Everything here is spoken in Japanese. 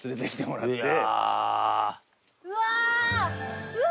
うわ！